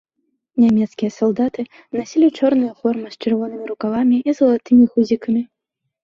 Нямецкія салдаты насілі чорныя формы з чырвонымі рукавамі і залатымі гузікамі.